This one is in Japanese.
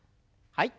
はい。